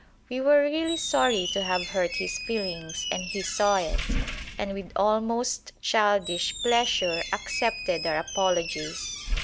We were really sorry to have hurt his feelings, and he saw it, and with almost childish pleasure accepted our apologies.